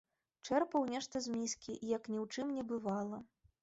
Чэрпаў нешта з міскі, як ні ў чым не бывала.